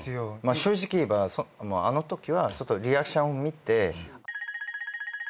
正直言えばあのときはちょっとリアクションを見て。